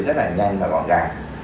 rất là nhanh và gọn gàng